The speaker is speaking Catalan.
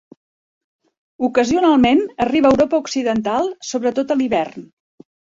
Ocasionalment arriba a Europa Occidental, sobretot a l'hivern.